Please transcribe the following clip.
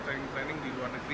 training di luar negeri